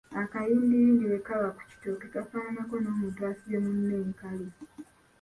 Akayindiyindi bwe kaba ku kitooke kafaananako n’omuntu asibye munne enkalu.